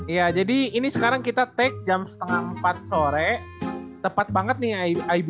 ya jadi ini sekarang kita take jam setengah empat sore tepat banget nih ib